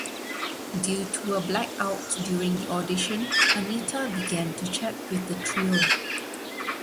Due to a black-out during the audition, Anita began to chat with the trio.